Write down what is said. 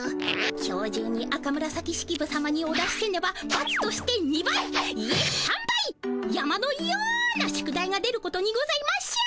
今日じゅうに赤紫式部さまにお出しせねばばつとして２倍いえ３倍山のような宿題が出ることにございましょう。